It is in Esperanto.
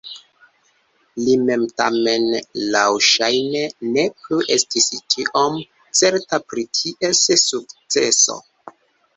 Li mem tamen laŭŝajne ne plu estis tiom certa pri ties sukceso.